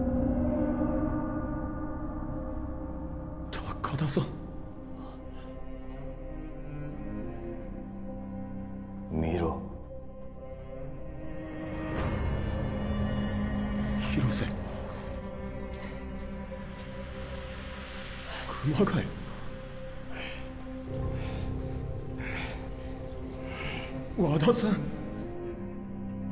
高田さん見ろ廣瀬熊谷和田さん